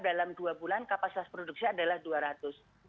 dalam dua bulan kapasitas produksi adalah dua ratus